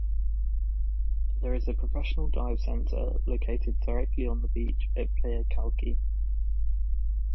There is a professional dive center located directly on the beach at Playa Kalki.